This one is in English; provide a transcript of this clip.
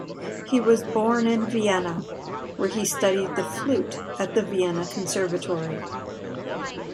He was born in Vienna, where he studied the flute at the Vienna Conservatory.